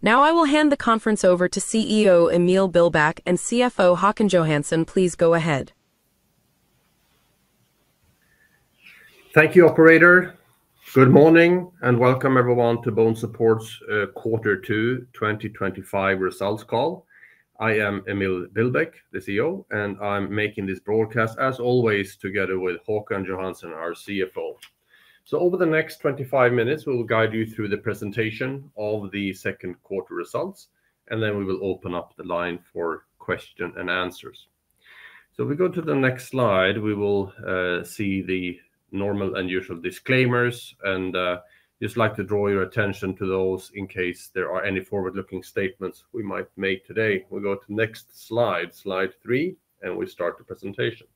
Now I will hand the conference over to CEO Emil Billbäck and CFO Håkan Johansson. Please go ahead. Thank you, operator. Good morning and welcome everyone BONESUPPORT's quarter 2, 2025 Results Call. I am Emil Billbäck, the CEO, and I'm making this broadcast as always together with Håkan Johansson, our CFO. Over the next 25 minutes, we will guide you through the presentation of the Second Quarter results and then we will open up the line for question and answers. We go to the next slide. We will see the normal and usual disclaimers and just like to draw your attention to those in case there are any forward-looking statements we might make today. We go to next slide, slide three, and we start the presentation.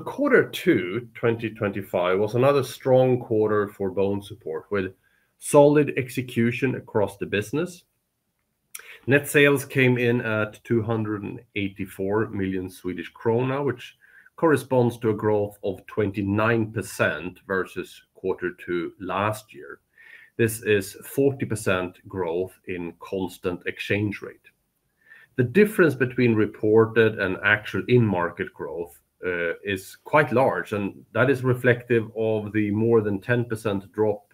Quarter 2, 2025 was another strong quarter BONESUPPORT with solid execution across the business. Net sales came in at 284 million Swedish krona, which corresponds to a growth of 29% versus quarter two last year. This is 40% growth in constant exchange rate. The difference between reported and actual in-market growth is quite large and that is reflective of the more than 10% drop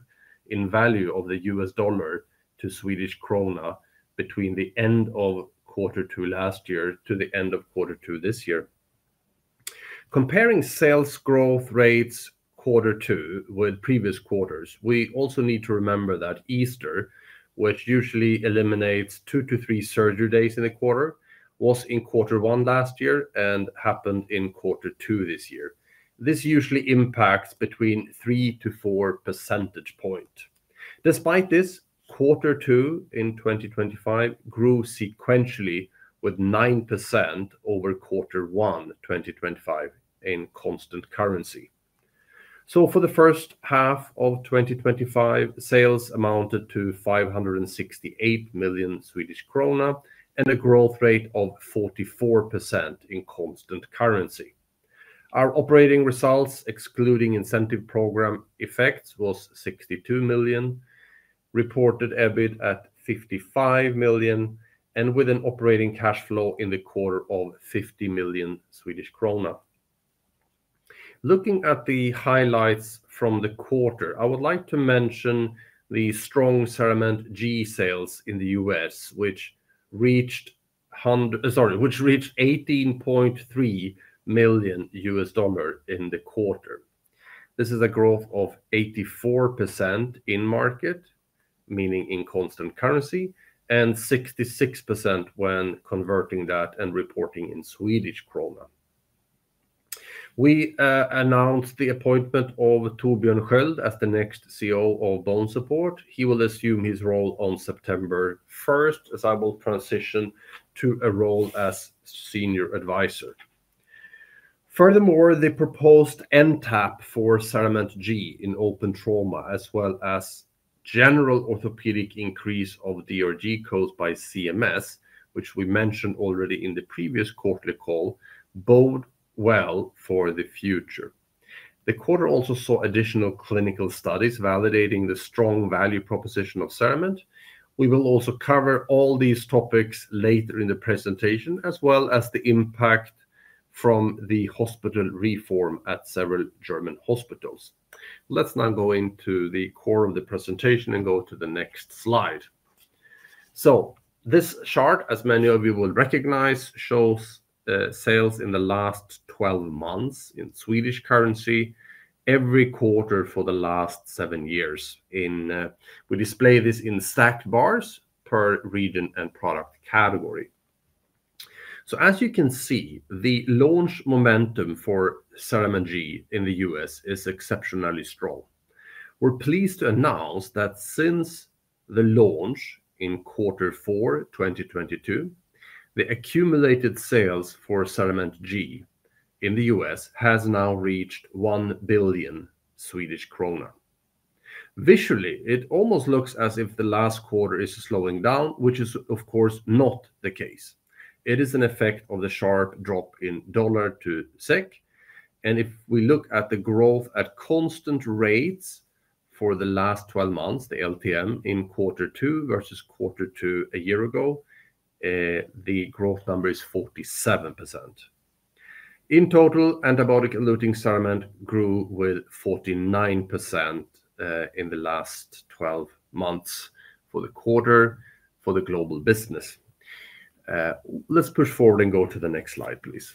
in value of the U.S. dollar to Swedish krona between the end of quarter two last year to the end of quarter two this year. Comparing sales growth rates quarter two with previous quarters, we also need to remember that Easter, which usually eliminates two to three surgery days in the quarter, was in quarter one last year and happened in quarter two this year. This usually impacts between 3% to 4%. Despite this, quarter two in 2025 grew sequentially with 9% over quarter one, 2025 in constant currency. For the first half of 2025, sales amounted to 568 million Swedish krona and a growth rate of 44% in constant currency. Our operating results excluding incentive program effects was 62 million. Reported EBIT at 55 million and with an operating cash flow in the quarter of 50 million Swedish krona. Looking at the highlights from the quarter, I would like to mention the strong CERAMENT G sales in the U.S., which reached $18.3 million in the quarter. This is a growth of 84% in-market, meaning in constant currency, and 66% when converting that and reporting in Swedish krona. We announced the appointment of Torbjörn Held as the next CEO BONESUPPORT. he will assume his role on September 1 as I will transition to a role as Senior Advisor. Furthermore, the proposed NTAP for CERAMENT G in open trauma as well as general orthopedic increase of DRG codes by CMS, which we mentioned already in the previous quarterly call, bode well for the future. The quarter also saw additional clinical studies validating the strong value proposition of CERAMENT. We will also cover all these topics later in the presentation, as well as the impact from the hospital reform at several German hospitals. Let's now go into the core of the presentation and go to the next slide. This chart, as many of you will recognize, shows sales in the last 12 months in Swedish currency every quarter for the last seven years. We display this in stacked bars per region and product category. As you can see, the launch momentum for CERAMENT G in the U.S. is exceptionally strong. We're pleased to announce that since the launch in quarter 4, 2022, the accumulated sales for CERAMENT G in the U.S. has now reached 1 billion Swedish krona. Visually, it almost looks as if the last quarter is slowing down, which is of course not the case. It is an effect of the sharp drop in dollar to SEK. If we look at the growth at constant rates for the last 12 months, the LTM in quarter two versus quarter two a year ago, the growth number is 47% in total. Antibiotic eluting CERAMENT grew with 49% in the last 12 months for the quarter. For the global business, let's push forward and go to the next slide please.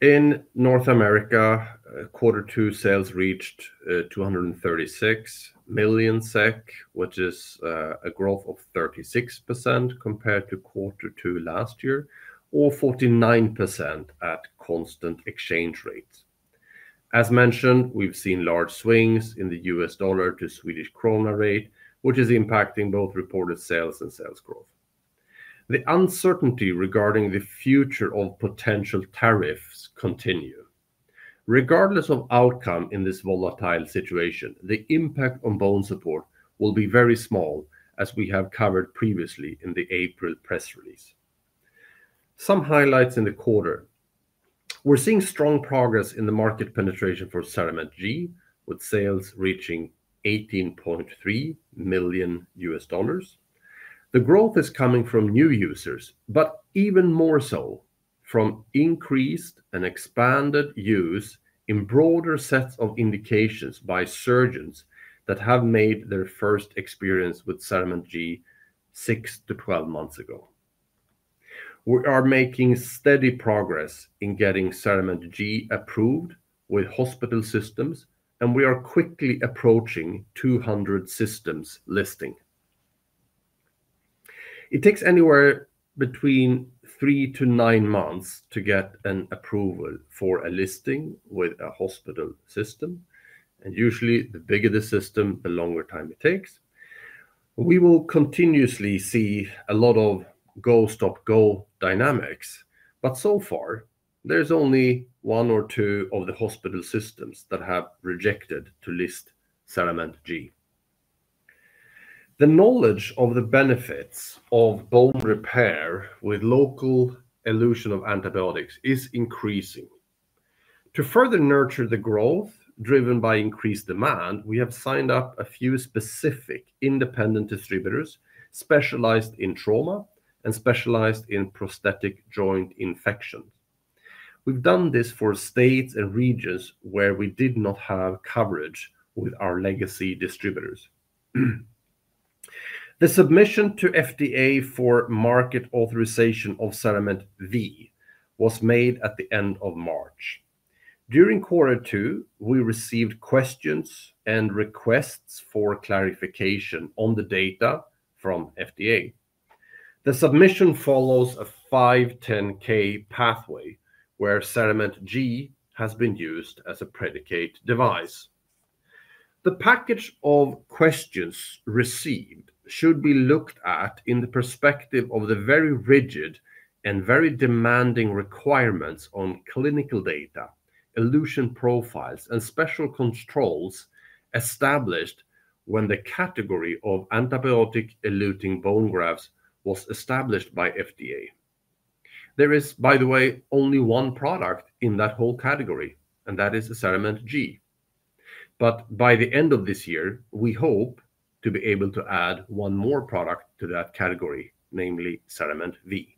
In North America, quarter two sales reached 236 million SEK which is a growth of 3.36% compared to quarter two last year or 49% at constant exchange rates. As mentioned, we've seen large swings in the U.S. dollar to Swedish krona rate which is impacting both reported sales and sales growth. The uncertainty regarding the future of potential tariffs continue regardless of outcome in this volatile situation, the impact BONESUPPORT will be very small as we have covered previously in the April press release. Some highlights in the quarter, we're seeing strong progress in the market penetration for CERAMENT G with sales reaching $18.3 million. The growth is coming from new users, but even more so from increased and expanded use in broader sets of indications by surgeons that have made their first experience with CERAMENT G 6 to 12 months ago. We are making steady progress in getting CERAMENT G approved with hospital systems and we are quickly approaching 200 systems listing. It takes anywhere between three to nine months to get an approval for a listing with a hospital system, and usually the bigger the system, the longer time it takes. We will continuously see a lot of go stop go dynamics, but so far there's only one or two of the hospital systems that have rejected to list CERAMENT G. The knowledge of the benefits of bone repair with local elution of antibiotics is increasing. To further nurture the growth driven by increased demand, we have signed up a few specific independent distributors specialized in trauma and specialized in prosthetic joint infections. We've done this for states and regions where we did not have coverage with our legacy distributors. The submission to FDA for market authorization of CERAMENT V was made at the end of March. During quarter two, we received questions and requests for clarification on the data from FDA. The submission follows a 510(k) pathway where CERAMENT G has been used as a predicate device. The package of questions received should be looked at in the perspective of the very rigid and very demanding requirements on clinical data, elution profiles, and special controls established when the category of antibiotic eluting bone grafts was established by FDA. There is, by the way, only one product in that whole category, and that is CERAMENT G. By the end of this year, we hope to be able to add one more product to that category, namely CERAMENT V.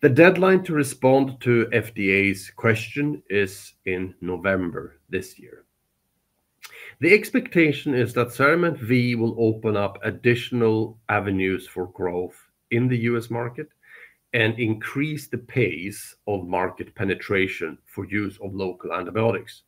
The deadline to respond to FDA's question is in November this year. The expectation is that CERAMENT V will open up additional avenues for growth in the U.S. market and increase the pace of market penetration for use of local antibiotics.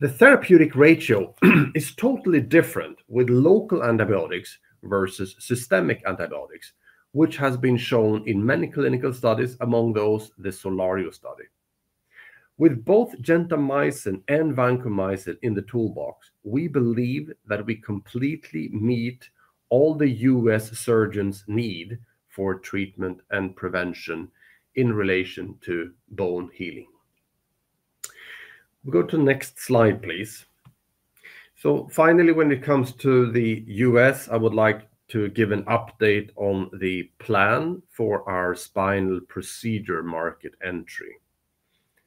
The therapEUtic ratio is totally different with local antibiotics versus systemic antibiotics, which has been shown in many clinical studies. Among those, the SOLARIO study with both gentamicin and vancomycin in the toolbox. We believe that we completely meet all the U.S. surgeons' need for treatment and prevention in relation to bone healing. Go to next slide please. Finally, when it comes to the U.S., I would like to give an update on the plan for our spinal procedure market entry.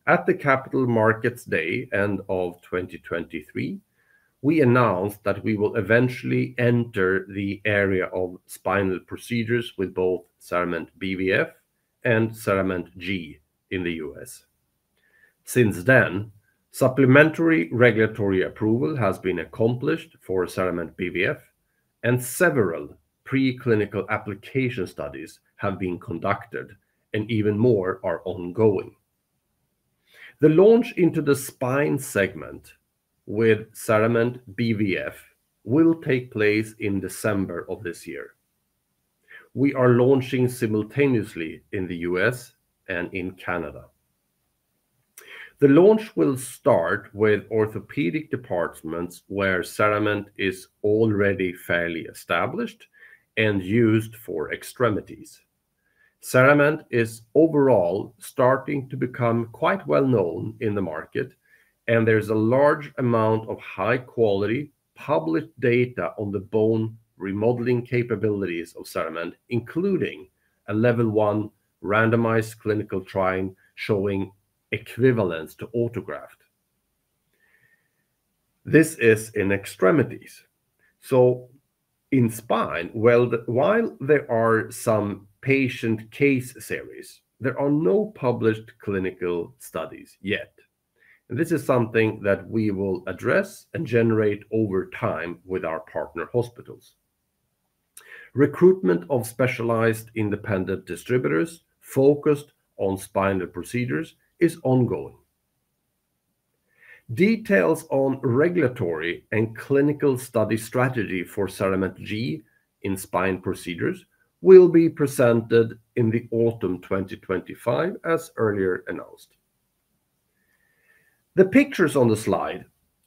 At the Capital Markets Day end of 2023, we announced that we will eventually enter the area of spine procedures with both CERAMENT BVF and CERAMENT G in the U.S. Since then, supplementary regulatory approval has been accomplished for CERAMENT BVF, and several pre-clinical application studies have been conducted and even more are ongoing. The launch into the spine segment with CERAMENT BVF will take place in December of this year. We are launching simultaneously in the U.S. and in Canada. The launch will start with orthopedic departments where CERAMENT is already fairly established and used for extremities. CERAMENT is overall starting to become quite well known in the market and there's a large amount of high quality published data on the bone remodeling capabilities of CERAMENT, including a Level 1 randomized clinical trial showing equivalence to autograft. This is in extremities, in spine there are some patient case series, there are no published clinical studies yet. This is something that we will address and generate over time with our partner hospitals. Recruitment of specialized independent distributors focused on spine procedures is ongoing. Details on regulatory and clinical study strategy for CERAMENT G in spine procedures will be presented in autumn 2025 as earlier announced. The pictures on the slide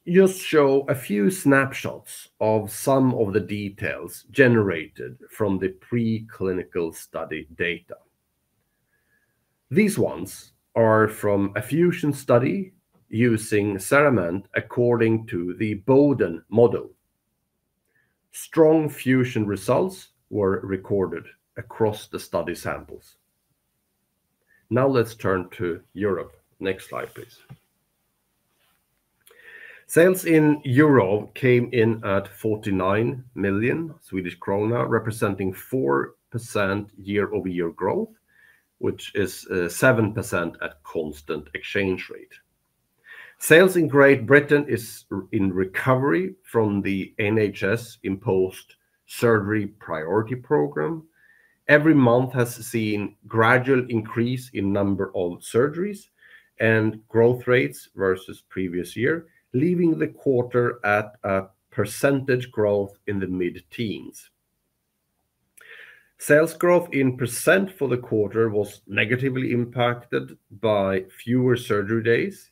just show a few snapshots of some of the details generated from the preclinical study data. These ones are from a fusion study using CERAMENT. According to the bovine model, strong fusion results were recorded across the study samples. Now let's turn to Europe. Next slide please. Sales in Europe came in at 49 million Swedish krona representing 4% Year-over-Year growth which is 7% at constant currency. Sales in the U.K. is in recovery from the NHS imposed surgery priority program. Every month has seen gradual increase in number of surgeries and growth rates versus previous year, leaving the quarter at a percentage growth in the mid teens. Sales growth in percent for the quarter was negatively impacted by fewer surgery days,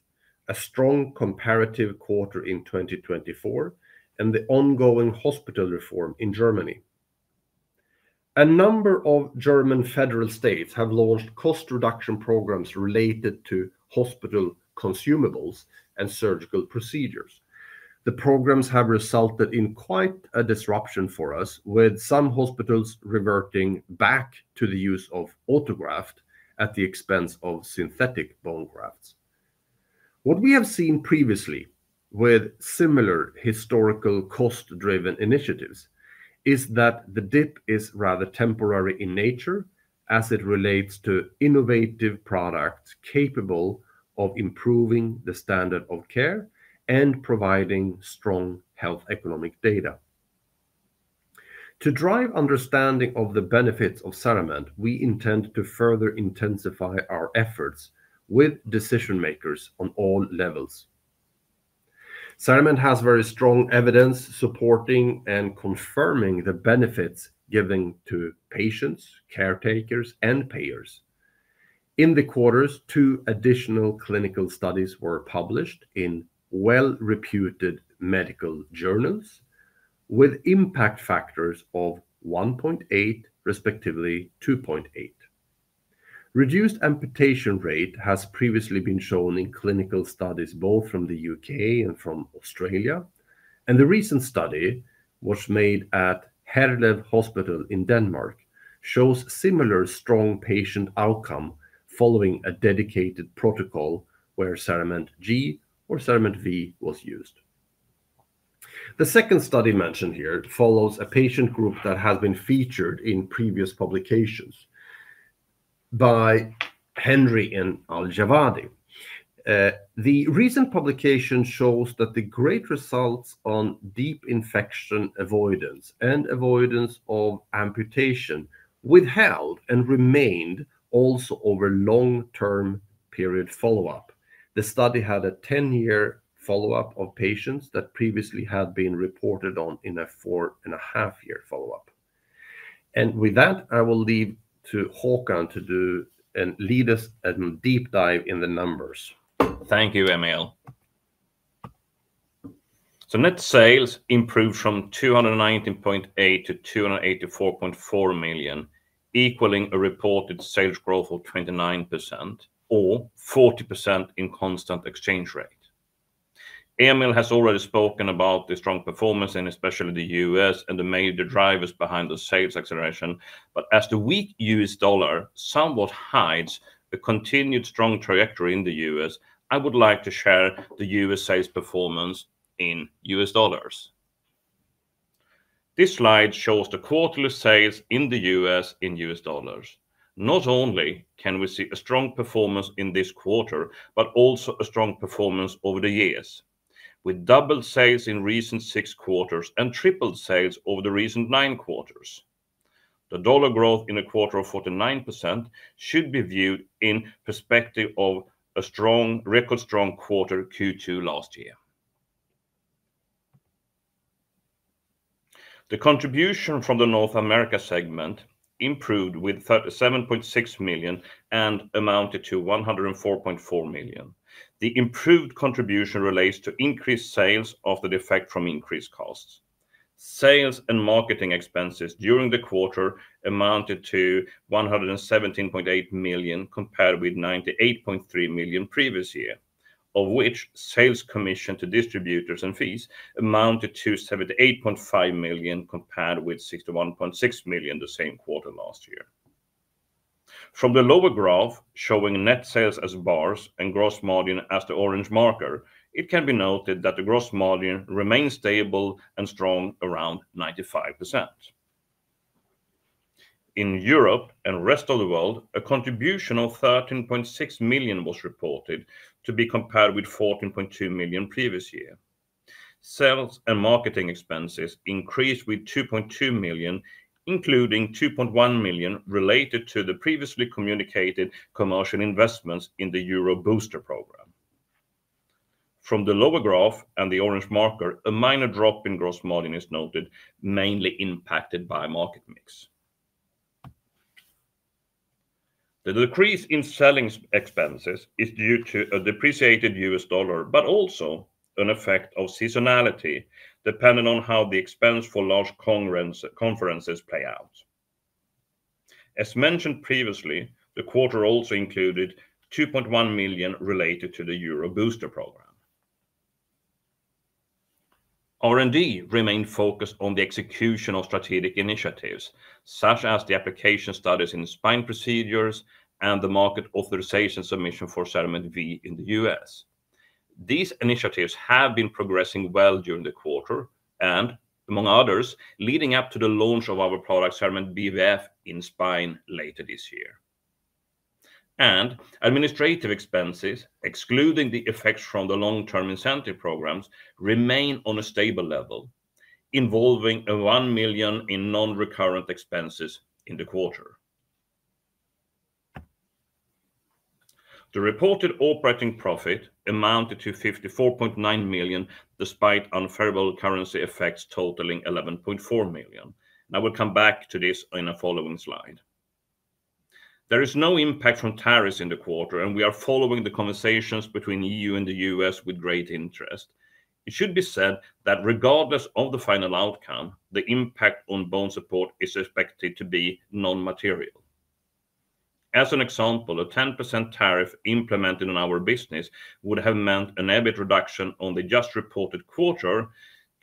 a strong comparative quarter in 2024 and the ongoing hospital reform in Germany. A number of German federal states have launched cost reduction programs related to hospital consumables and surgical procedures. The programs have resulted in quite a disruption for us with some hospitals reverting back to the use of autograft at the expense of synthetic bone grafts. What we have seen previously with similar historical cost driven initiatives is that the dip is rather temporary in nature as it relates to innovative products capable of improving the standard of care and providing strong health economic data to drive understanding of the benefits of CERAMENT. We intend to further intensify our efforts with decision makers on all levels. Sandman has very strong evidence supporting and confirming the benefits given to patients, caretakers, and payers in the quarters. Two additional clinical studies were published in well-reputed medical journals with impact factors of 1.8 and 2.8. Reduced amputation rate has previously been shown in clinical studies both from the U.K. and from Australia, and the recent study made at Herlev Hospital in Denmark shows similar strong patient outcome following a dedicated protocol where CERAMENT G or CERAMENT V was used. The second study mentioned here follows a patient group that has been featured in previous publications by Henry and Al-Jawadi. The recent publication shows that the great results on deep infection avoidance and avoidance of amputation withheld and remained also over long-term period. The study had a 10-year follow-up of patients that previously had been reported on in a four and a half year follow-up, and with that I will leave to Håkan to do and lead us and deep dive in the numbers. Thank you Emil. Net sales improved from 219.8 million to 284.4 million, equaling a reported sales growth of 29% or 40% in constant currency. Emil has already spoken about the strong performance, especially in the U.S., and the major drivers behind the sales acceleration. As the weak U.S. dollar somewhat hides the continued strong trajectory in the U.S., I would like to share the U.S. sales performance in U.S. dollars. This slide shows the quarterly sales in the U.S. in U.S. dollars. Not only can we see a strong performance in this quarter, but also a strong performance over the years with doubled sales in the recent six quarters and tripled sales over the recent nine quarters. The dollar growth in a quarter of 49% should be viewed in perspective of a record strong quarter Q2 last year. The contribution from the North America segment improved by 37.6 million and amounted to 104.4 million. The improved contribution relates to increased sales offset from increased costs. Sales and marketing expenses during the quarter amounted to 117.8 million compared with 98.3 million the previous year, of which sales commission to distributors and fees amounted to 78.5 million compared with 61.6 million the same quarter last year. From the lower graph showing net sales as bars and gross margin as the orange marker, it can be noted that the gross margin remains stable and strong around 95% in Europe and rest of the world. A contribution of 13.6 million was reported to be compared with 14.2 million the previous year. Sales and marketing expenses increased by 2.2 million, including 2.1 million related to the previously communicated commercial investments in the Euro Booster program. From the lower graph and the orange marker, a minor drop in gross margin is noted, mainly impacted by market mix. The decrease in selling expenses is due to a depreciated U.S. dollar but also an effect of seasonality depending on how the expense for large conferences play out. As mentioned previously, the quarter also included 2.1 million related to the Euro Booster program. R&D remained focused on the execution of strategic initiatives such as the application studies in spine procedures and the market authorization submission for CERAMENT V in the U.S. These initiatives have been progressing well during the quarter and among others leading up to the launch of our product CERAMENT BVF in spine later this year, and administrative expenses excluding the effects from the long term incentive programs remain on a stable level involving 1 million in non-recurrent expenses. In the quarter, the reported operating profit amounted to 54.9 million despite unfavorable currency effects totaling 11.4 million. I will come back to this in a following slide. There is no impact from tariffs in the quarter, and we are following the conversations between the EU and the U.S. with great interest. It should be said that regardless of the final outcome, the impact BONESUPPORT is expected to be non-material. As an example, a 10% tariff implemented on our business would have meant an EBIT reduction on the just reported quarter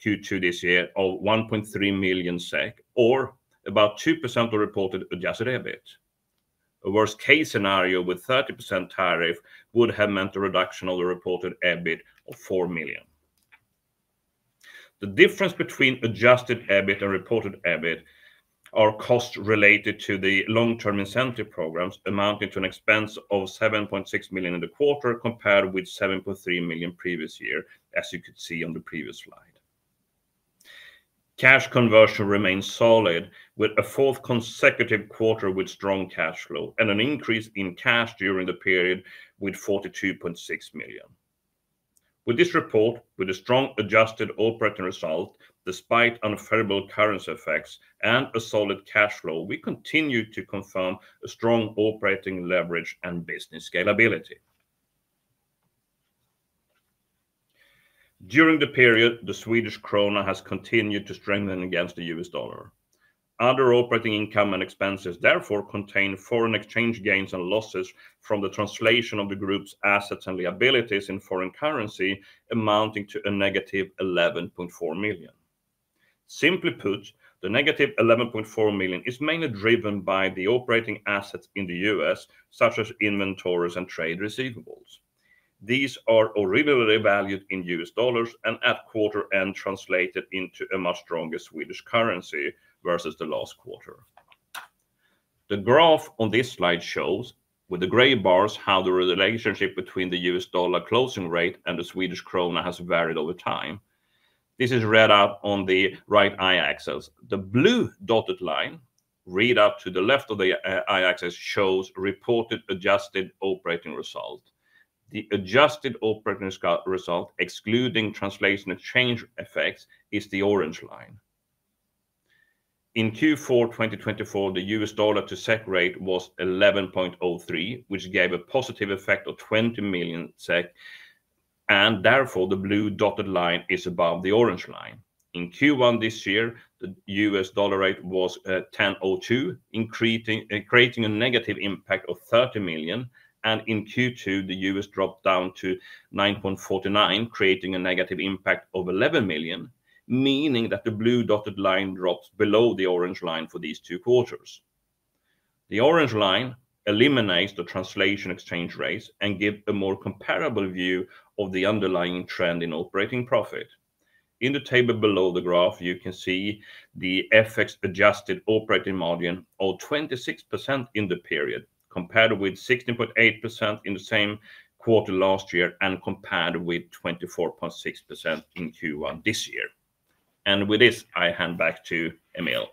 Q2 this year of 1.3 million SEK or about 2% of reported adjusted EBIT. A worst case scenario with 30% tariff would have meant a reduction of the reported EBIT of 4 million. The difference between adjusted EBIT and reported EBIT are costs related to the long term incentive programs amounting to an expense of 7.6 million in the quarter compared with 7.3 million previous year. As you could see on the previous slide, cash conversion remains solid with a fourth consecutive quarter with strong cash flow and an increase in cash during the period with 42.6 million. With this report, with a strong adjusted operating result despite unfavorable currency effects and a solid cash flow, we continue to confirm a strong operating leverage and business scalability during the period. The Swedish Krona has continued to strengthen against the U.S. Dollar. Other operating income and expenses therefore contain foreign exchange gains and losses from the translation of the group's assets and liabilities in foreign currency amounting to a negative 11.4 million. Simply put, the negative 11.4 million is mainly driven by the operating assets in the U.S. such as inventories and trade receivables. These are originally valued in U.S. dollars and at quarter end translated into a much stronger Swedish currency versus the last quarter. The graph on this slide shows with the gray bars how the relationship between the U.S. Dollar closing rate and the Swedish Krona has varied over time. This is read out on the right y-axis. The blue dotted line read up to the left of the y-axis shows reported adjusted operating result. The adjusted operating result excluding translational change effects is the orange line. In Q4 2024, the U.S. dollar to SEK rate was 11.03, which gave a positive effect of 20 million SEK, and therefore the blue dotted line is above the orange line in Q1. This year, the U.S. dollar rate was 11.02, creating a negative impact of 30 million. In Q2, the U.S. dollar dropped down to 9.49, creating a negative impact of 11 million, meaning that the blue dotted line drops below the orange line for these two quarters. The orange line eliminates the translation exchange rates and gives a more comparable view of the underlying trend in operating profit. In the table below the graph, you can see the FX adjusted operating margin of 26% in the period, compared with 16.8% in the same quarter last year and compared with 24.6% in Q1 this year. With this, I hand back to Emil.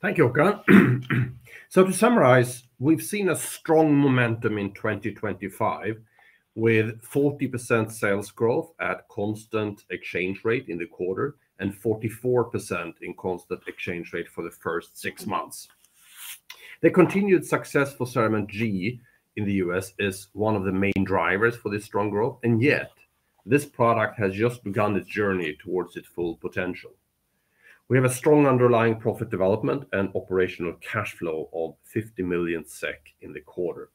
Thank you. Okay. To summarize, we've seen a strong momentum in 2025 with 40% sales growth at constant currency in the quarter and 44% in constant currency for the first six months. The continued success for CERAMENT G in the U.S. is one of the main drivers for this strong growth, and yet this product has just begun its journey towards its full potential. We have a strong underlying profit development and operating cash flow of 50 million SEK in the quarter.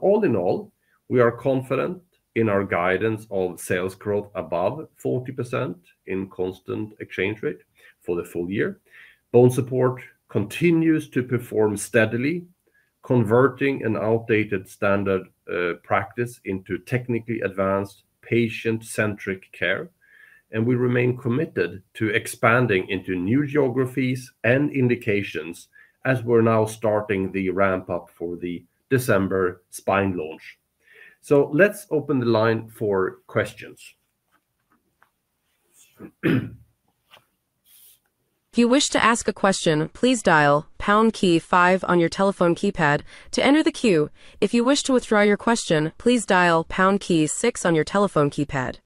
All in all, we are confident in our guidance of sales growth above 40% in constant currency for the full BONESUPPORT continues to perform steadily, converting an outdated standard practice into technically advanced patient-centric care. We remain committed to expanding into new geographies and indications as we're now starting the ramp up for the December spine launch. Let's open the line for questions. If you wish to ask a question, please dial the pound key five on your telephone keypad to enter the queue. If you wish to withdraw your question, please dial key six on your telephone keypad.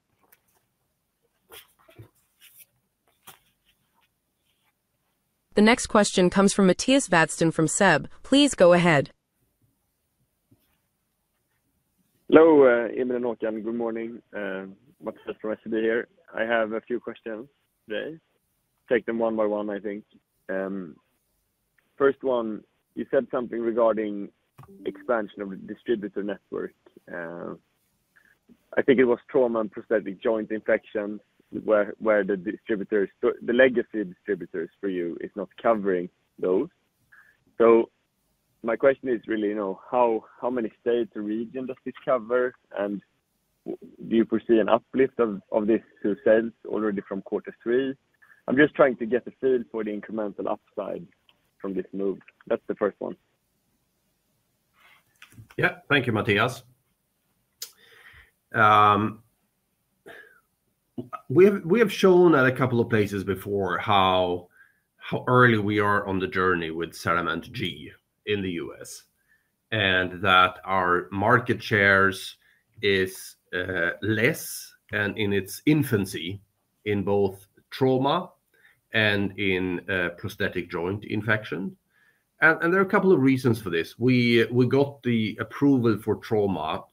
The next question comes from Mattias Vadstein from SEB. Please go ahead. Hello, Emil and Håkan. Good morning, Mattias. Vassily here. I have a few questions today. Take them one by one. I think, first one, you said something regarding expansion of the distributor network. I think it was trauma and prosthetic joint infection where the distributors, the legacy distributors for you, are not covering those. My question is really, you know, how many states or regions does this cover? Do you foresee an uplift of these two sales already from quarter three? I'm just trying to get a feel for the incremental upside from this move. That's the first one. Yeah, Thank you, Mattias. We have shown at a couple of places before how early we are on the journey with CERAMENT G in the U.S. and that our market share is less and in its infancy in both trauma and in prosthetic joint infection. There are a couple of reasons for this. We got the approval for trauma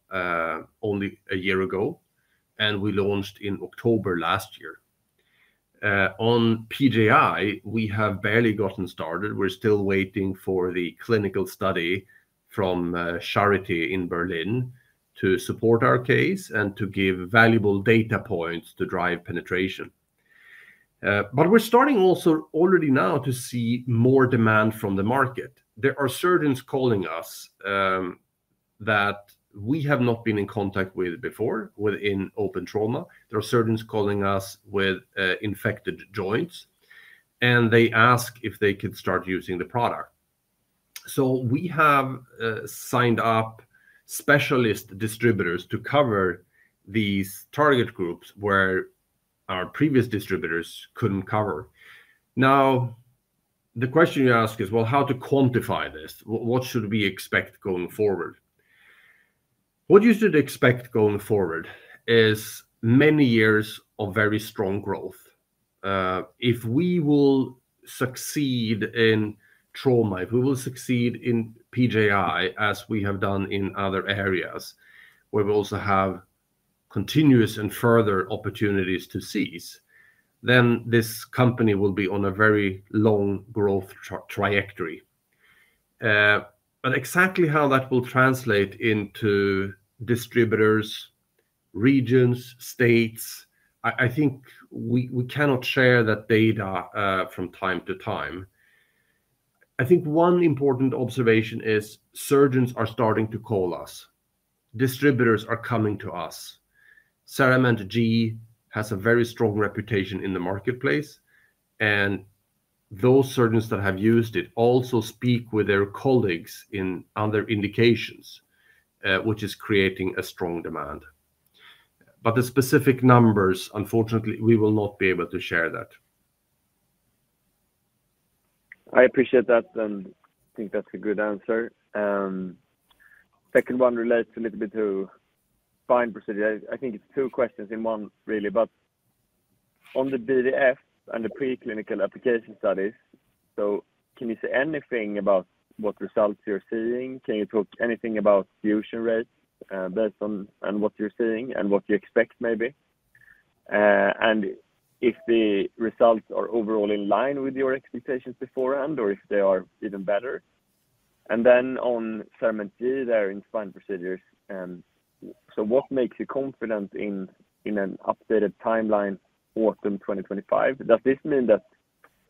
only a year ago and we launched in October last year on PJI. We have barely gotten started. We're still waiting for the clinical study from Charité in Berlin to support our case and to give valuable data points to drive penetration. We're starting also already now to see more demand from the market. There are surgeons calling us that we have not been in contact with before. Within open trauma, there are surgeons calling us with infected joints and they ask if they could start using the product. We have signed up specialist distributors to cover these target groups where our previous distributors couldn't cover. The question you ask is, how to quantify this? What should we expect going forward? What you should expect going forward is many years of very strong growth. If we will succeed in trauma, if we will succeed in PJI, as we have done in other areas where we also have continuous and further opportunities to seize, then this company will be on a very long growth trajectory. Exactly how that will translate into distributors, regions, states, I think we cannot share that data from time to time. One important observation is surgeons are starting to call us, distributors are coming to us. CERAMENT G has a very strong reputation in the marketplace and those surgeons that have used it also speak with their colleagues in other indications, which is creating a strong demand. The specific numbers, unfortunately we will not be able to share that. I appreciate that and I think that's a good answer. Second one relates a little bit to spine procedures. I think it's two questions in one really. On the DDF and the preclinical application studies, can you say anything about what results you're seeing? Can you talk anything about fusion rates based on what you're seeing and what you expect, maybe, and if the results are overall in line with your expectations beforehand or if they are even better? On CERAMENT G there in spine procedures, what makes you confident in an updated timeline, autumn 2025? Does this mean that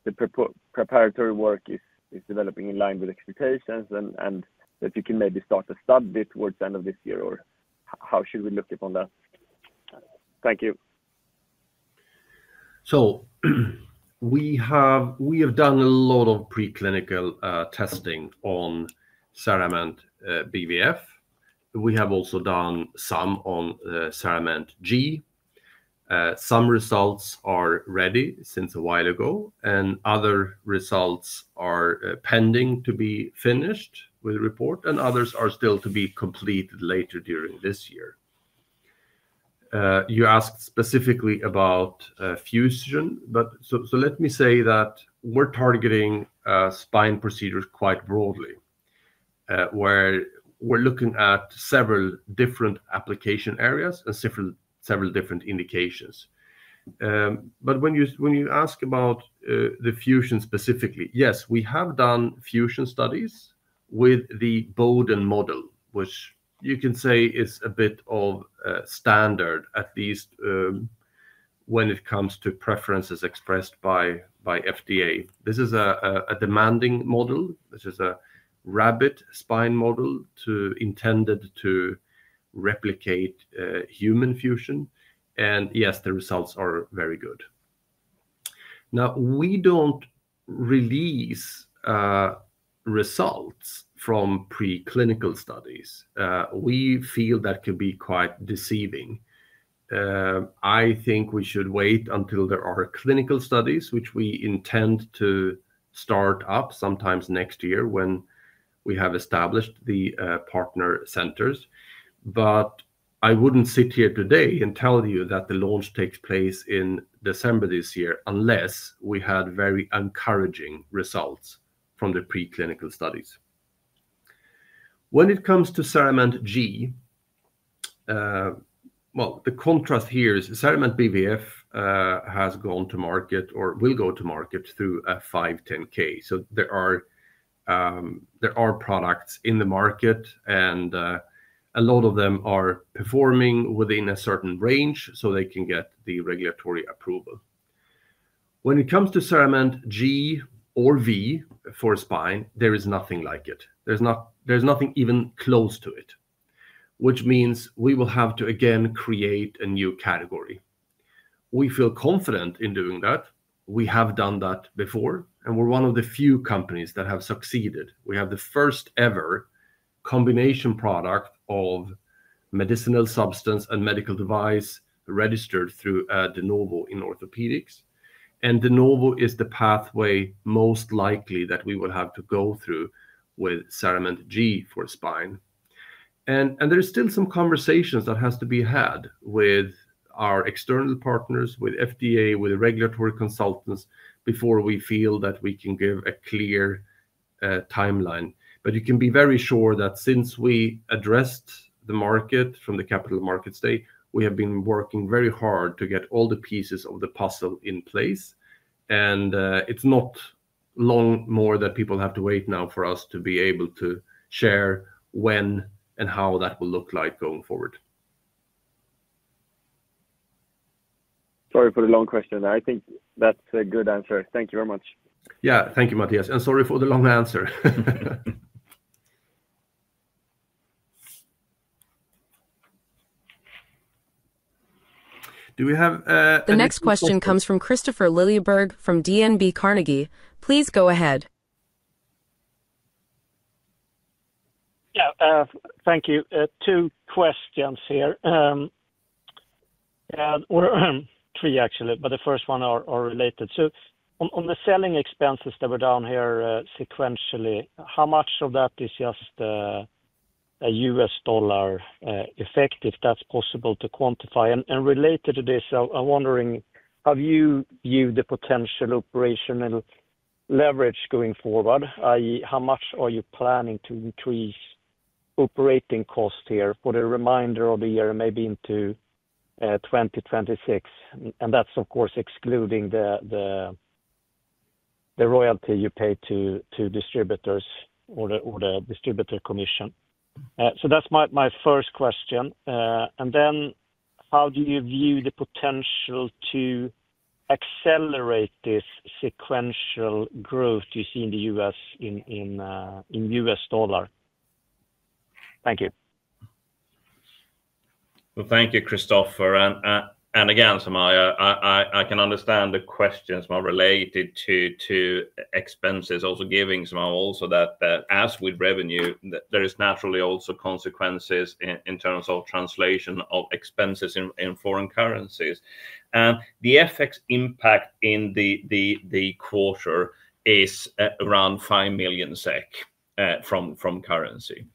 the preparatory work is developing in line with expectations and that you can maybe start to study towards the end of this year, or how should we look upon that? Thank you. We have done a lot of preclinical testing on CERAMENT BVF. We have also done some on CERAMENT G. Some results are ready since a while ago, and other results are pending to be finished with report, and others are still to be completed later during this year. You asked specifically about fusion, so let me say that we're targeting spine procedures quite broadly, where we're looking at several different application areas and several different indications. When you ask about the fusion specifically, yes, we have done fusion studies with the bovine model, which you can say is a bit of a standard, at least when it comes to preferences expressed by FDA. This is a demanding model. This is a rabbit spine model intended to replicate human fusion. Yes, the results are very good. We don't release results from preclinical studies. We feel that could be quite deceiving. I think we should wait until there are clinical studies, which we intend to start up sometime next year when we have established the partner centers. I wouldn't sit here today and tell you that the launch takes place in December this year unless we had very encouraging results from the preclinical studies. When it comes to CERAMENT G, the contrast here is CERAMENT BVF has gone to market or will go to market through a 510(k). There are products in the market, and a lot of them are performing within a certain range so they can get the regulatory approval. When it comes to CERAMENT G or V for spine, there is nothing like it. There's nothing even close to it, which means we will have to again create a new category. We feel confident in doing that. We have done that before, and we're one of the few companies that have succeeded. We have the first ever combination product of medicinal substance and medical device registered through de novo in orthopedics. De novo is the pathway most likely that we will have to go through with CERAMENT G for spine. There are still some conversations that have to be had with our external partners, with FDA, with regulatory consultants before we feel that we can give a clear timeline. You can be very sure that since we addressed the market from the capital markets day, we have been working very hard to get all the pieces of the puzzle in place. It's not long more that people have to wait now for us to be able to share when and how that will look like going forward. Sorry for the long question. I think that's a good answer. Thank you very much. Thank you, Mattias. Sorry for the long answer. Do we have— The next question comes from Christopher Lillieberg from DNB Carnegie. Please go ahead. Yeah, thank you. Two questions here, three actually, but the first one are related. On the selling expenses that were down here sequentially, how much of that is just a U.S. dollar effect, if that's possible to quantify? Related to this, I'm wondering, have you viewed the potential operational leverage going forward, how much are you planning to increase operating cost here for the remainder of the year, maybe into 2026, and that's of course excluding the royalty you pay to distributors or the distributor commission. That's my first question. How do you view the potential to accelerate this sequential growth you see in the U.S. in U.S. dollar? Thank you. Thank you, Christopher. Again, Samaya, I can understand the questions more related to expenses, also giving somehow also that as with revenue there is naturally also consequences in terms of translation of expenses in foreign currencies. The FX impact in the quarter is around 5 million SEK from currency,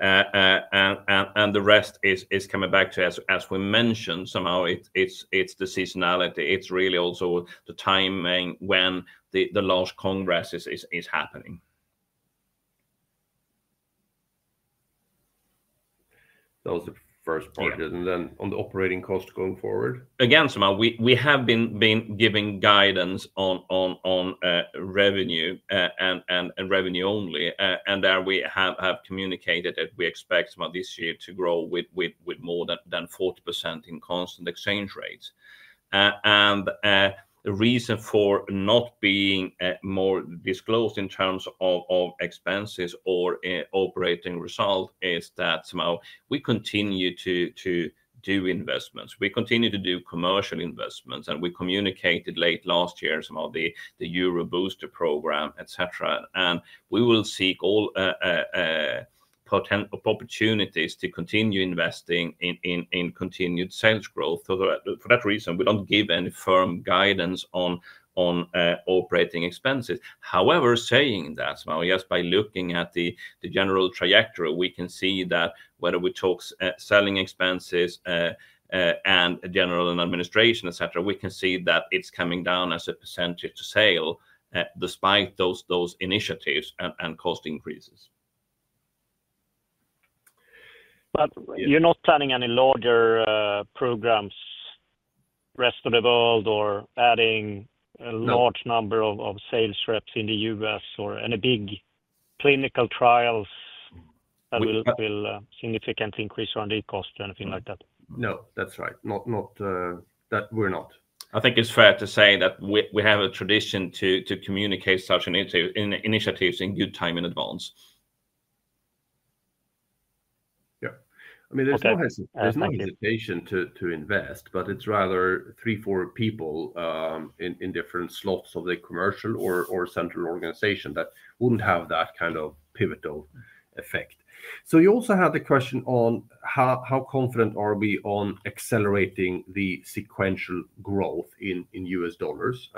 and the rest is coming back to, as we mentioned, somehow it's the seasonality. It's really also the timing when the last Congress is happening. That was the first project, and then on the operating cost going forward again. We have been giving guidance on revenue and revenue only, and we have communicated that we expect this year to grow with more than 40% in constant exchange rates. The reason for not being more disclosed in terms of expenses or operating result is that we continue to do investments, we continue to do commercial investments, and we communicated late last year some of the Euro Booster program, etc. We will seek all opportunities to continue investing in continued sales growth. For that reason, we don't give any firm guidance on operating expenses. However, saying that, just by looking at the general trajectory, we can see that whether we talk selling expenses and general and administration, etc., we can see that it's coming down as a percentage to sale despite those initiatives and cost increases. You're not planning any larger programs rest of the world or adding a large number of sales reps in the US or any big clinical trials that will significantly increase run rate cost or anything like that? No, that's right. Not that we're not. I think it's fair to say that we have a tradition to communicate such initiatives in good time in advance. Yeah, I mean there's no hesitation to invest, but it's rather three, four people in different slots of the commercial or central organization that wouldn't have that kind of pivotal effect. You also had the question on how confident are we on accelerating the sequential growth in U.S. dollars,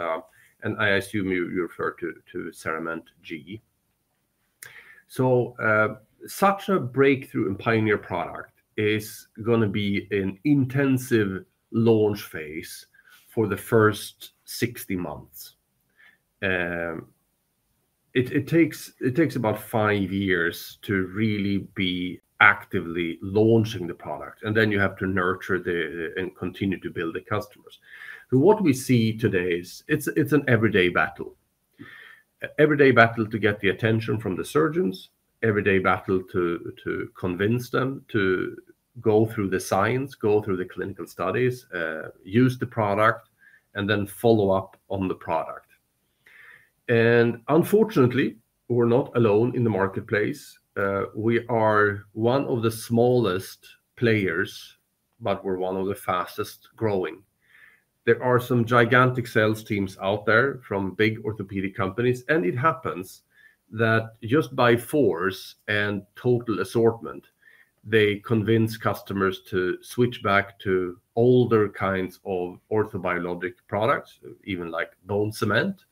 and I assume you refer to CERAMENT G. Such a breakthrough and pioneer product is going to be an intensive launch phase for the first 60 months. It takes about five years to really be actively launching the product, and then you have to nurture and continue to build the customers. What we see today is it's an everyday battle, everyday battle to get the attention from the surgeons, everyday battle to convince them to go through the science, go through the clinical studies, use the product, and then follow up on the product. Unfortunately, we're not alone in the marketplace. We are one of the smallest players, but we're one of the fastest growing. There are some gigantic sales teams out there from big orthopedic companies, and it happens that just by force and total assortment they convince customers to switch back to older kinds of orthobiologic products, even like bone cement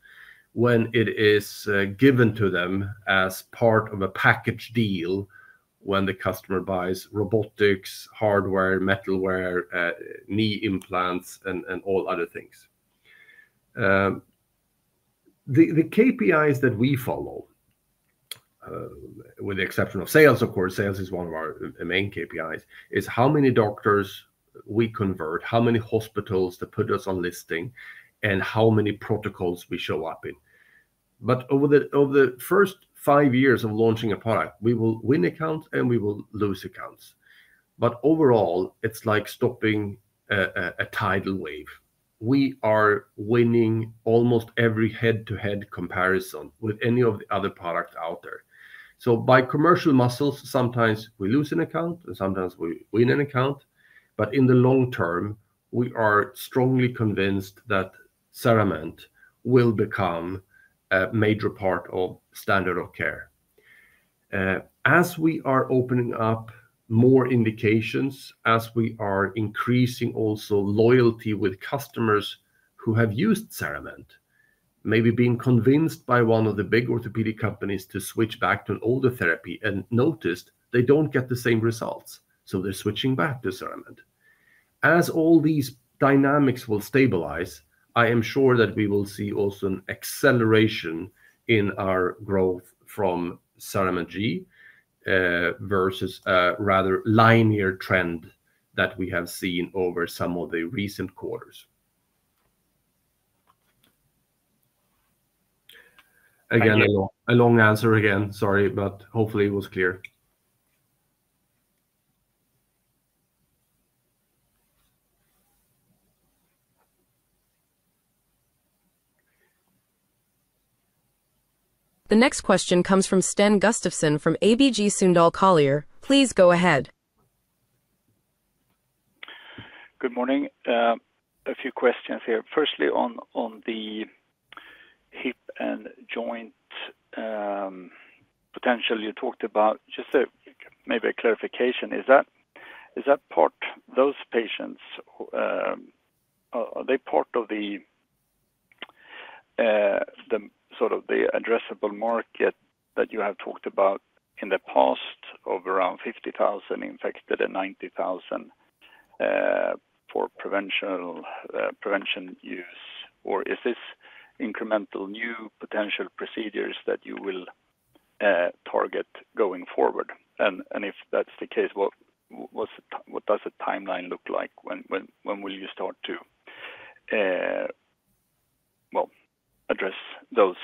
when it is given to them as part of a package deal when the customer buys robotics hardware, metalware, knee implants, and all other things. The KPIs that we follow, with the exception of sales—of course, sales is one of our main KPIs—are how many doctors we convert, how many hospitals that put us on listing, and how many protocols we show up in. Over the first five years of launching a product, we will win accounts and we will lose accounts. Overall, it's like stopping a tidal wave. We are winning almost every head-to-head comparison with any of the other products out there. By commercial muscles, sometimes we lose an account and sometimes we win. In the long term, we are strongly convinced that CERAMENT will become a major part of standard of care. As we are opening up more indications, as we are increasing also loyalty with customers who have used CERAMENT—maybe being convinced by one of the big orthopedic companies to switch back to an older therapy and noticed they don't get the same results—so they're switching back to CERAMENT. As all these dynamics will stabilize, I am sure that we will see also an acceleration in our growth from CERAMENT G versus a rather linear trend that we have seen over some of the recent quarters. Again, a long answer. Again, sorry, but hopefully it was clear. The next question comes from Sten Gustafsson from ABG Sundal Collier. Please go ahead. Good morning. A few questions here. Firstly, on the hip and joint potential you talked about, just maybe a clarification, is that part, those patients, are they part of the sort of the addressable market that you have talked about in the past of around 50,000 infected and 90,000 for prevention use, or is this incremental new potential procedures that you will target going forward? If that's the case, what does the timeline look like? When will you start to address those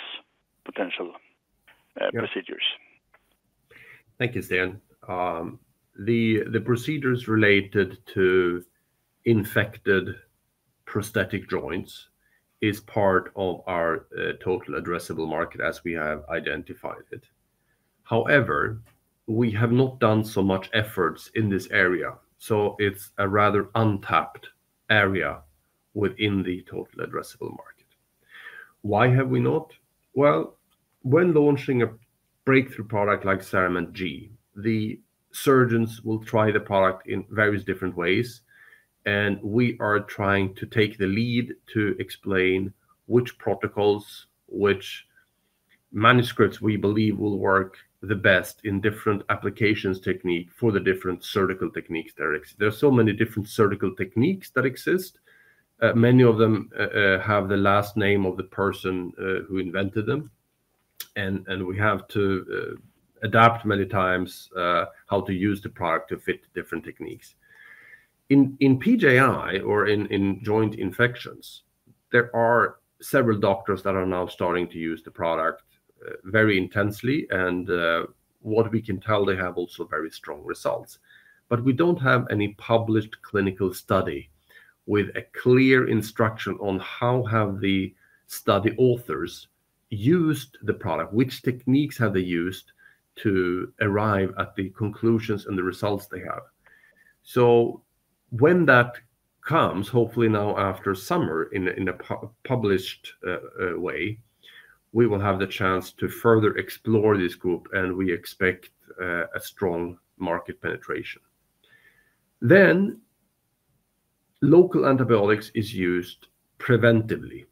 potential procedures? Thank you, Sten. The procedures related to infected prosthetic joints is part of our total addressable market as we have identified it. However, we have not done so much efforts in this area. It is a rather untapped area within the total addressable market. Why have we not? When launching a breakthrough product like CERAMENT G, the surgeons will try the product in various different ways. We are trying to take the lead to explain which protocols, which manuscripts we believe will work the best in different applications technique for the different surgical techniques. There are so many different surgical techniques that exist. Many of them have the last name of the person who invented them. We have to adapt many times how to use the product to fit different techniques in PJI or in joint infections. There are several doctors that are now starting to use the product very intensely. From what we can tell, they have also very strong results. We don't have any published clinical study with a clear instruction on how have the study authors used the product, which techniques have they used to arrive at the conclusions and the results they have. When that comes, hopefully now, after summer in a published way, we will have the chance to further explore this group and we expect a strong market penetration then. Local antibiotics is used preventively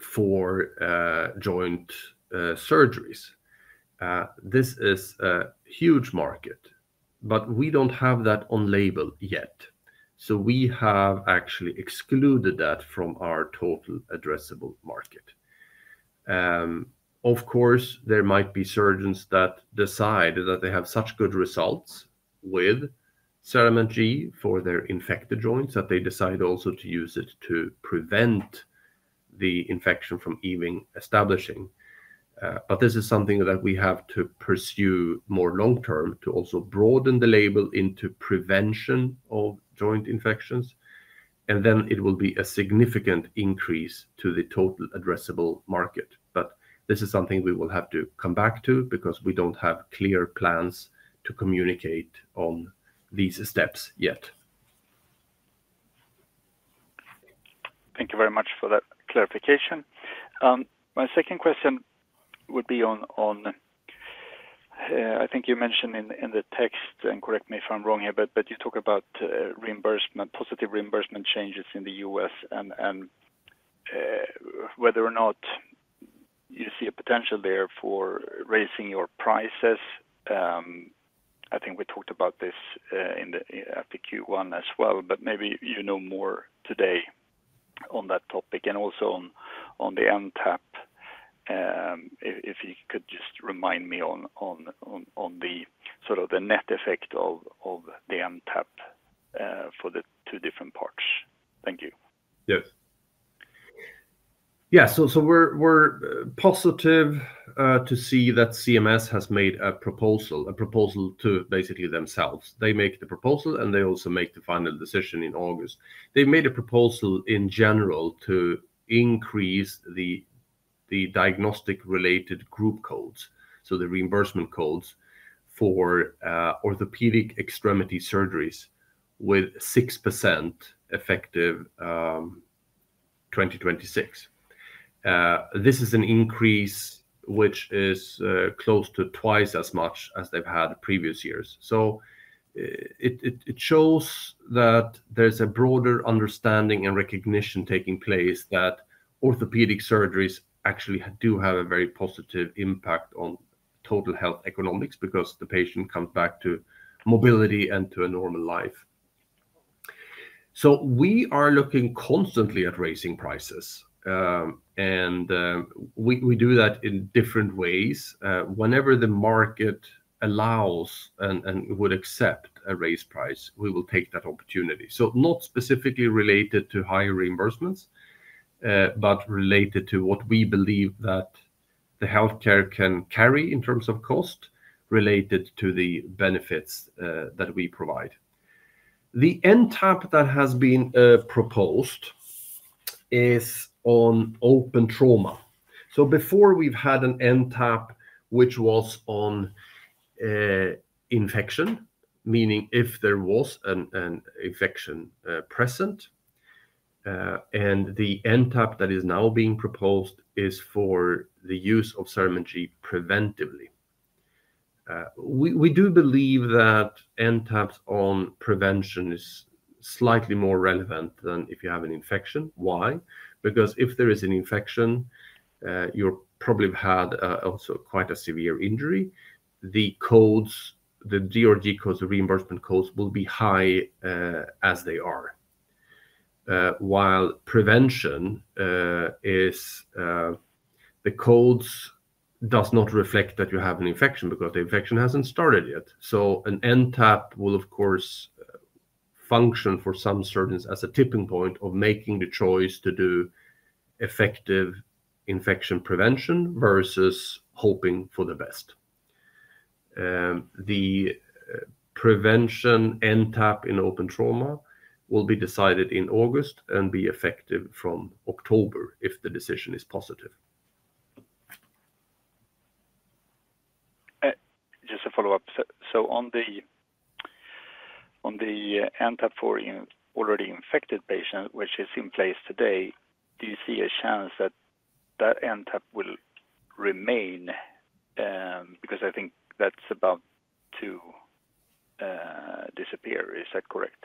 for joint surgeries. This is a huge market, but we don't have that on label yet. We have actually excluded that from our total addressable market. Of course there might be surgeons that decide that they have such good results with CERAMENT G for their infected joints that they decide also to use it to prevent the infection from even establishing. This is something that we have to pursue more long term to also broaden the label into prevention of joint infections. It will be a significant increase to the total addressable market. This is something we will have to come back to because we don't have clear plans to communicate on these steps yet. Thank you very much for that clarification. My second question would be on, I think you mentioned in the text, and correct me if I'm wrong here, but you talk about reimbursement, positive reimbursement changes in the U.S. and whether or not you see a potential there for raising your prices. I think we talked about this in the FAQ one as well, but maybe you know more today on that topic and also on the NTAP. If you could just remind me on the sort of the net effect of the NTAP for the two different parts. Thank you. Yes. We're positive to see that CMS has made a proposal to basically themselves. They make the proposal and they also make the final decision in August. They've made a proposal in general to increase the diagnosis related group codes, so the reimbursement codes for orthopedic extremity surgeries, with 6% effective 2026. This is an increase which is close to twice as much as they've had previous years. It shows that there's a broader understanding and recognition taking place that orthopedic surgeries actually do have a very positive impact on total health economics because the patient comes back to mobility and to a normal life. We are looking constantly at raising prices and we do that in different ways. Whenever the market allows and would accept a raised price, we will take that opportunity. Not specifically related to higher reimbursements but related to what we believe that the healthcare can carry in terms of cost related to the benefits that we provide. The NTAP that has been proposed is on open trauma. Before, we've had an NTAP which was on infection, meaning if there was an infection present, and the NTAP that is now being proposed is for the use of CERAMENT G preventively. We do believe that NTAPs on prevention is slightly more relevant than if you have an infection. Why? Because if there is an infection, you probably had also quite a severe injury. The codes, the DRG codes, the reimbursement codes, will be high as they are, while prevention is the codes does not reflect that you have an infection because the infection hasn't started yet. An NTAP will of course function for some surgeons as a tipping point of making the choice to do effective infection prevention versus hoping for the best. The prevention NTAP in open trauma will be decided in August and be effective from October if the decision is positive. Just a follow-up. On the NTAP for already infected patients, which is in place today, do you see a chance that that NTAP will remain? I think that's about to disappear. Is that correct?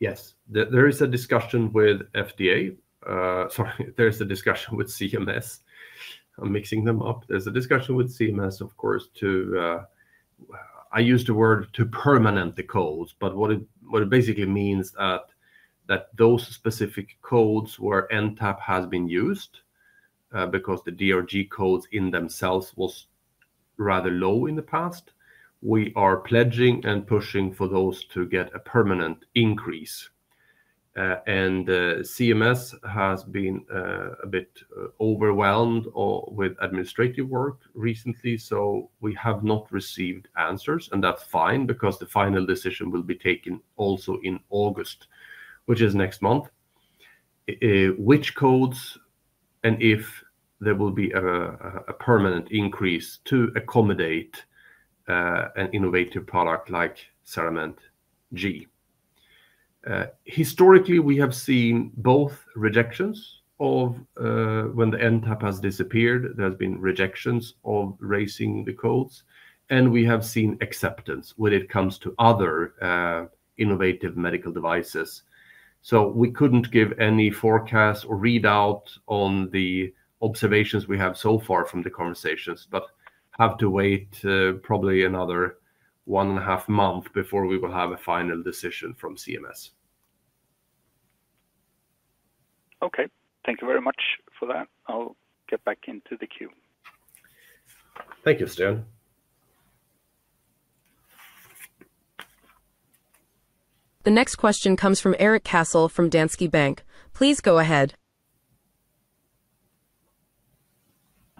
Yes, there is a discussion with CMS. I'm mixing them up. There's a discussion with CMS of course to, I use the word to permanently code. What it basically means is that those specific codes where NTAP has been used because the DRG codes in themselves were rather low in the past, we are pledging and pushing for those to get a permanent increase. CMS has been a bit overwhelmed with administrative work recently. We have not received answers, and that's fine because the final decision will be taken also in August, which is next month, which codes and if there will be a permanent increase to accommodate an innovative product like CERAMENT G. Historically, we have seen both rejections of when the NTAP has disappeared, there have been rejections of raising the codes, and we have seen acceptance when it comes to other innovative medical devices. We couldn't give any forecast or readout on the observations we have so far from the conversations, but have to wait probably another one and a half months before we will have a final decision from CMS. Okay, thank you very much for that. Get back into the queue. Thank you, Sten. The next question comes from Erik Castle from Danske Bank. Please go ahead.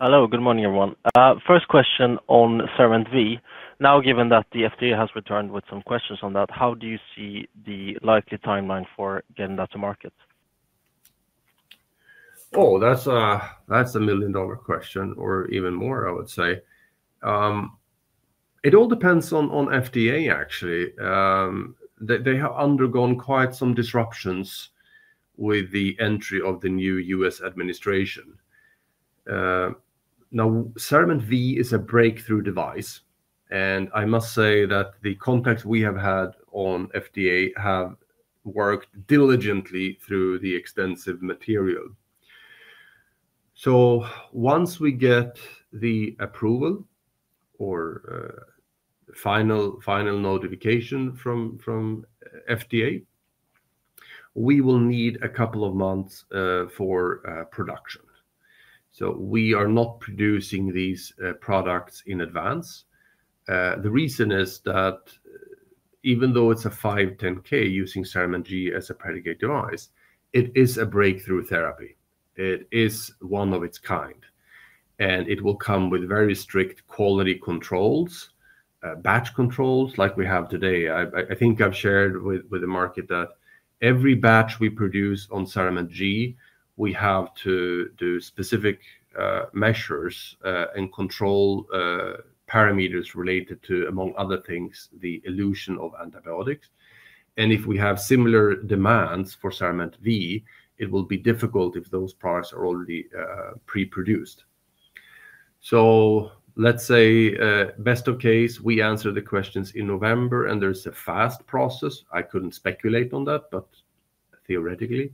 Hello, good morning everyone. First question on CERAMENT V. Now, given that the FDA has returned with some questions on that, how do you see the likely timeline for getting that to market? Oh, that's a million dollar question or even more. I would say it all depends on FDA. Actually, they have undergone quite some disruptions with the entry of the new U.S. administration. Now CERAMENT V is a breakthrough device and I must say that the contacts we have had at FDA have worked diligently through the extensive material. Once we get the approval or final notification from FDA, we will need a couple of months for production. We are not producing these products in advance. The reason is that even though it's a 510(k) using CERAMENT G as a predicate device, it is a breakthrough therapy, it is one of its kind and it will come with very strict quality controls, batch controls like we have today. I think I've shared with the market that every batch we produce on CERAMENT G we have to do specific measures and control parameters related to, among other things, the elution of antibiotics. If we have similar demands for CERAMENT V, it will be difficult if those products are already pre-produced. Let's say best of case we answer the questions in November and there's a fast process. I couldn't speculate on that, but theoretically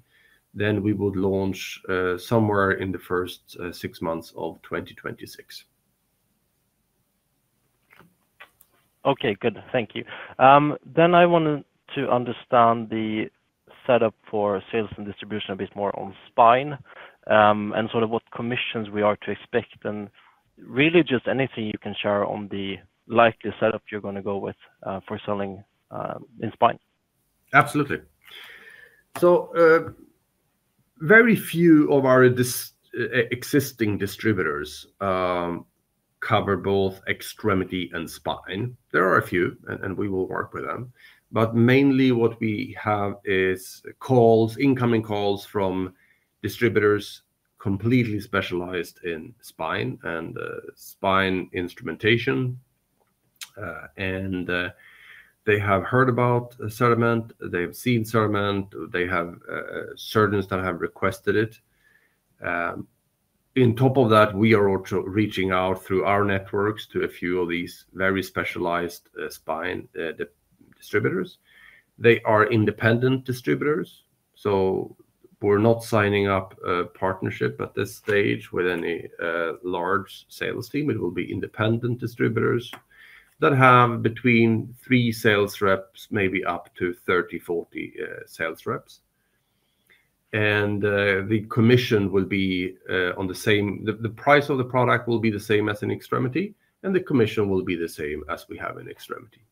then we would launch somewhere in the first six months of 2026. Okay, good, thank you. I wanted to understand the setup for sales and distribution a bit more on spine and sort of what commissions we are to expect and really just anything you can share on the likely setup you're going to go with for selling in spine. Absolutely. Very few of our existing distributors cover both extremity and spine. There are a few and we will work with them. Mainly what we have is incoming calls from distributors completely specialized in spine and spine instrumentation. They have heard about CERAMENT, they've seen CERAMENT, they have surgeons that have requested it. On top of that, we are also reaching out through our networks to a few of these very specialized spine distributors. They are independent distributors, so we're not signing up partnership at this stage with any large sales team. It will be independent distributors that have between three sales reps, maybe up to 30, 40 sales reps. The commission will be the same. The price of the product will be the same as in extremity and the commission will be the same as we have in extremity.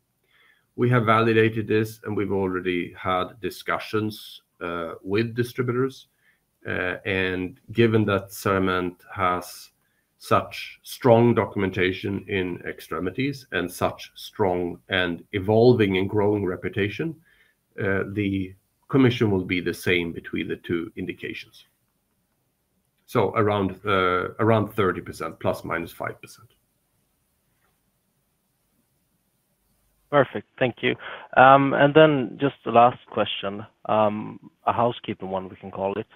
We have validated this and we've already had discussions with distributors. Given that CERAMENT has such strong documentation in extremities and such strong and evolving and growing reputation, the commission will be the same between the two indications. So around 30% plus minus 5%. Perfect, thank you. Just the last question, a housekeeping one we can call it.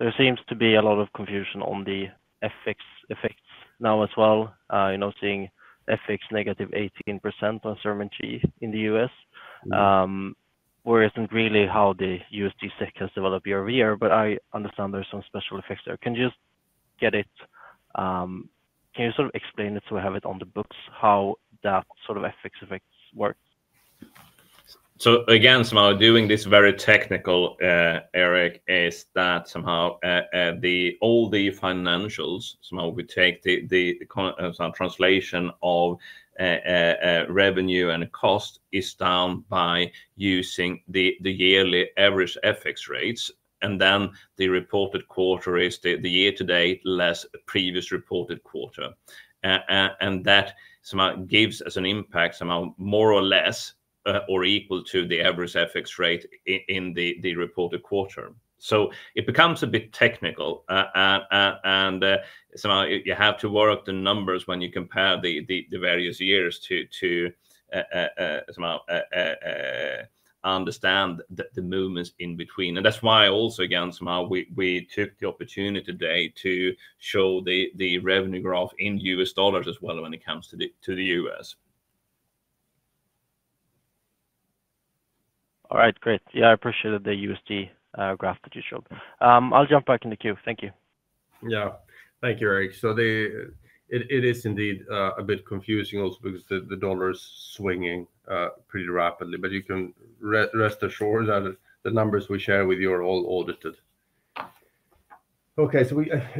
There seems to be a lot of confusion on the FX effects now as well. You know, seeing FX negative 18% on CERAMENT G in the US, where it isn't really how the USG SEC has developed Year-over-Year. I understand there's some special effects there. Can you explain it, can you sort of explain it? So we have it on the books how that sort of FX effects work. Again, doing this very technical, Erik, is that all the financials, we take the translation of revenue and cost down by using the yearly average FX rates and then the reported quarter is the year to date less previous reported quarter. That gives us an impact more or less equal to the average FX rate in the reported quarter. It becomes a bit technical and you have to work the numbers when you compare the various years to understand the movements in between. That's why also, Jens Viebke, we took the opportunity today to show the revenue growth in U.S. dollars as well when it comes to the U.S. All right, great. Yeah, I appreciated the USD graph that you showed. I'll jump back in the queue. Thank you. Yeah, thank you, Erik. It is indeed a bit confusing also because the dollar is swinging pretty rapidly. You can rest assured that the numbers we share with you are all audited. I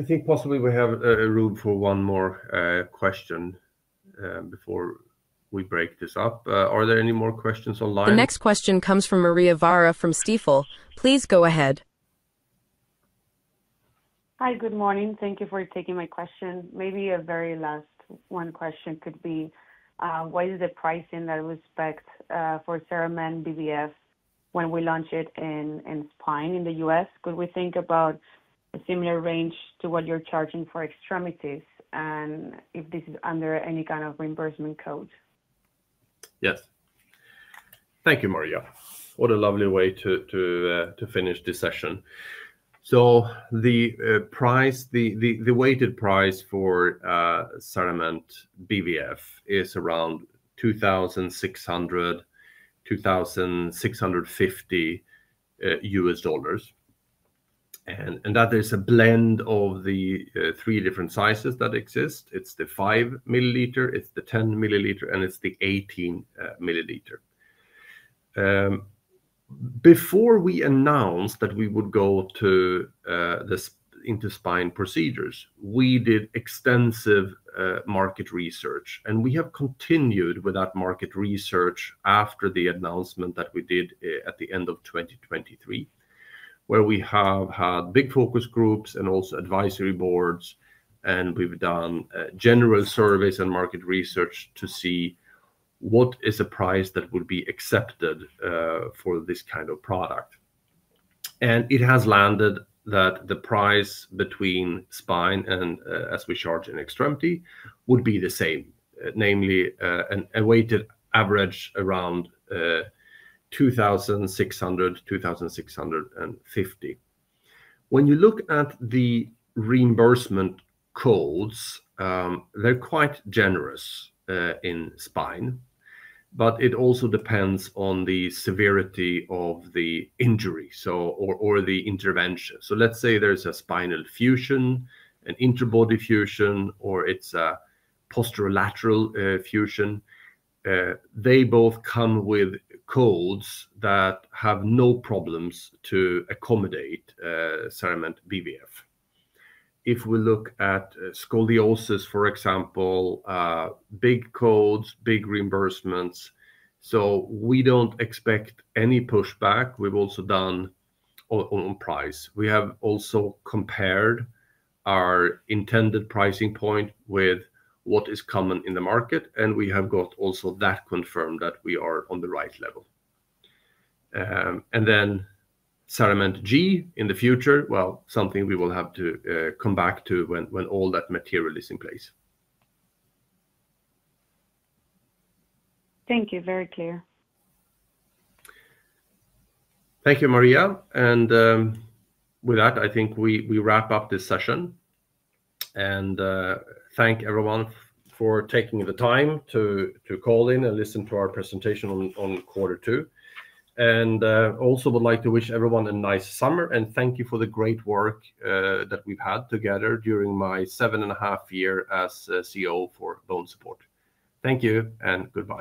think possibly we have room for one more question before we break this up. Are there any more questions online? The next question comes from Maria Vera from Stifel. Please go ahead. Hi, good morning. Thank you for taking my question. Maybe a very last one, could be what is the pricing that we expect for CERAMENT BVF when we launch it in spine in the US? Could we think about a similar range to what you're charging for extremities, and if this is under any kind of reimbursement code? Yes. Thank you, Maria. What a lovely way to finish this session. So the price, the weighted price for CERAMENT BVF is around $2,650 That is a blend of the three different sizes that exist. It's the five milliliter, it's the 10 milliliter, and it's the 18 milliliter. Before we announced that we would go into spine procedures, we did extensive market research and we have continued with that market research after the announcement that we did at the end of 2023, where we have had big focus groups and also advisory boards, and we've done general surveys and market research to see what is a price that would be accepted for this kind of product. It has landed that the price between spine and as we charge in extremity would be the same, namely a weighted average around $2,650. When you look at the reimbursement codes, they're quite generous in spine, but it also depends on the severity of the injury or the intervention. Let's say there's a spinal fusion, an interbody fusion, or it's a posterolateral fusion. They both come with codes that have no problems to accommodate CERAMENT BVF. If we look at scoliosis, for example, big codes, big reimbursements. We don't expect any pushback. We've also compared our intended pricing point with what is common in the market and we have also got that confirmed that we are on the right level. CERAMENT G in the future, that's something we will have to come back to when all that material is in place. Thank you. Very clear. Thank you, Maria. With that, I think we wrap up this session and thank everyone for taking the time to call in and listen to our presentation on quarter two. I also would like to wish everyone a nice summer and thank you for the great work that we've had together during my seven and a half years as CEO BONESUPPORT. thank you and goodbye.